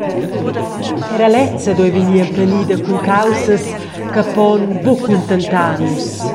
Era lezza duei vegnir emplenida cun caussas che pon buca cuntentar nus.